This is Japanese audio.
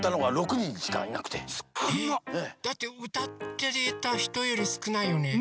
だってうたってたひとよりすくないよね。